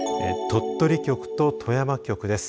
鳥取局と富山局です。